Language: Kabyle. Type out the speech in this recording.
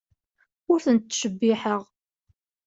Ur tent-ttcebbiḥeɣ.